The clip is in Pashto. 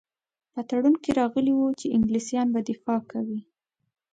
په تړون کې راغلي وو چې انګلیسیان به دفاع کوي.